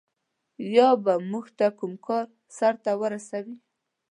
یا به موږ ته کوم کار سرته ورسوي.